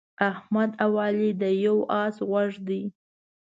احمد او علي د یوه اس غوږ دي.